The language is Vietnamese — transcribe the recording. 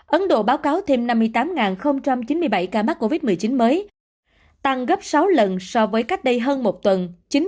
ấn độ báo cáo thêm năm mươi tám chín mươi bảy ca mắc covid một mươi chín mới tăng gấp sáu lần so với cách đây hơn một tuần